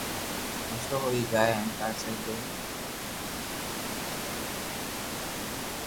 مسئلو ھوئي جائين ٽار سھي ڪوئي ني